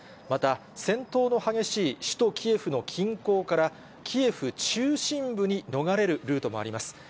また、戦闘の激しい首都キエフの近郊から、キエフ中心部に逃れるルートもあります。